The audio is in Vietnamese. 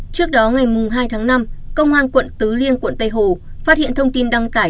trước đó ngày hai tháng năm công an quận tứ liên quận tây hồ phát hiện thông tin đăng tải